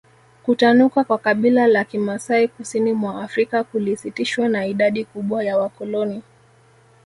Kutanuka kwa kabila la Kimasai kusini mwa Afrika kulisitishwa na idadi kubwa ya wakoloni